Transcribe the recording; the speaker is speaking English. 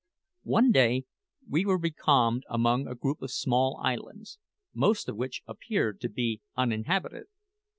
One day we were becalmed among a group of small islands, most of which appeared to be uninhabited.